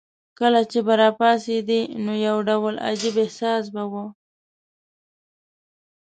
کله چې به راپاڅېدې نو یو ډول عجیب احساس به وو.